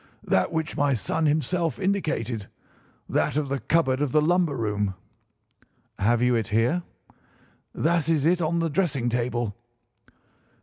"That which my son himself indicated—that of the cupboard of the lumber room." "Have you it here?" "That is it on the dressing table."